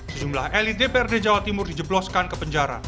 sejumlah elit dprd jawa timur dijebloskan ke penjara